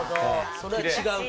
それは違うと。